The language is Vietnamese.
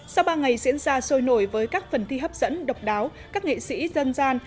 sau ba ngày diễn ra sôi nổi với các phần thi hấp dẫn độc đáo các nghệ sĩ dân gian